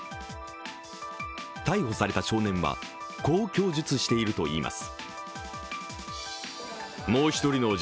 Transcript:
逮捕された少年はこう供述しているといいます。